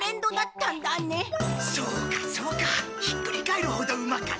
そうかそうかひっくり返るほどうまかったか。